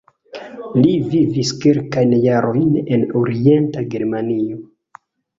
Li vivis kelkajn jarojn en Orienta Germanio.